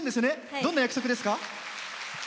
どんな約束ですか？